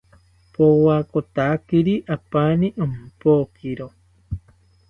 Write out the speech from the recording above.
Powakotakiri apani ompokiro